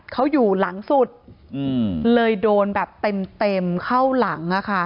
เขาอยู่หลังสุดอืมเลยโดนแบบเต็มเต็มเข้าหลังอ่ะค่ะ